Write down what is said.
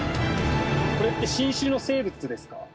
これって新種の生物ですか？